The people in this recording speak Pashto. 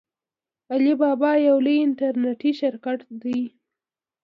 علي بابا یو لوی انټرنیټي شرکت دی.